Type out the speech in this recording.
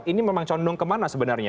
ini memang condong kemana sebenarnya